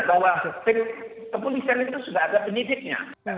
bahwa tim kepolisian itu sudah ada penyidiknya